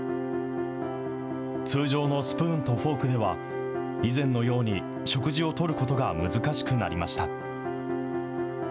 通常のスプーンとフォークでは、以前のように食事をとることが難しくなりました。